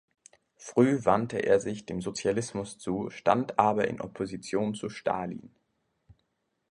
Früh wandte er sich dem Sozialismus zu, stand aber in Opposition zu Stalin.